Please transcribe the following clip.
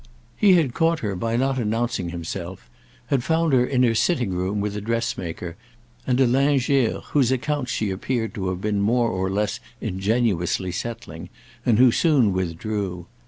He had caught her by not announcing himself, had found her in her sitting room with a dressmaker and a lingère whose accounts she appeared to have been more or less ingenuously settling and who soon withdrew.